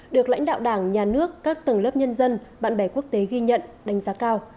được lãnh đạo đảng nhà nước các tầng lớp nhân dân bạn bè quốc tế ghi nhận đánh giá cao